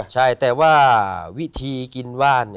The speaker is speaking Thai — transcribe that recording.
ใช่แต่ว่าวิธีกินว่าน